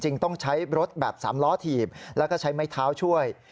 ต้องใช้รถแบบสามล้อถีบแล้วก็ใช้ไม้เท้าช่วย